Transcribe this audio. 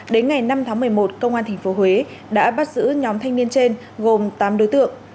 đến ngày năm tháng một mươi một công an tp huế đã bắt giữ nhóm thanh niên trên gồm tám đối tượng